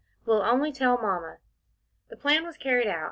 "We'll only tell Mamma." The plan was carried out.